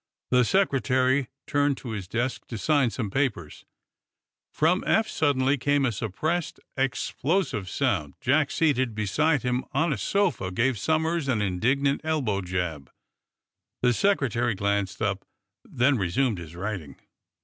The Secretary turned to his desk to sign some papers. From Eph, suddenly, came a suppressed, explosive sound. Jack seated beside him on a sofa gave Somers an indignant elbow jab. The Secretary glanced up, then resumed his writing.